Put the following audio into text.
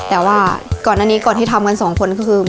แต่ว่าก่อนอันนี้ก่อนที่ทำกันสองคนก็คือ